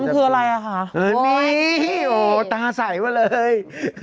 รถบั๊มคืออะไรค่ะมีโอ้โฮตาใสมาเลย